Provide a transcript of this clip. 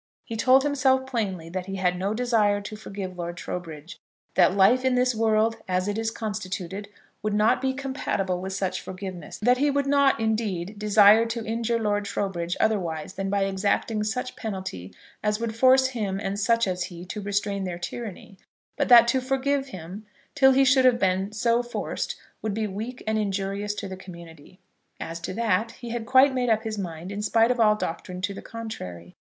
He told himself plainly that he had no desire to forgive Lord Trowbridge, that life in this world, as it is constituted, would not be compatible with such forgiveness, that he would not, indeed, desire to injure Lord Trowbridge otherwise than by exacting such penalty as would force him and such as he to restrain their tyranny; but that to forgive him, till he should have been so forced, would be weak and injurious to the community. As to that, he had quite made up his mind, in spite of all doctrine to the contrary.